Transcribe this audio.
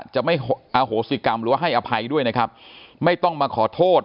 จะไม่อโหสิกรรมหรือว่าให้อภัยด้วยนะครับไม่ต้องมาขอโทษ